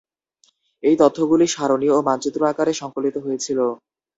এই তথ্যগুলো সারণি ও মানচিত্র আকারে সংকলিত হয়েছিল।